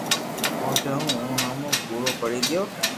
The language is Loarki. ڪونڪھ ھون اووہ ھومو ڪوڙو پڙي گيو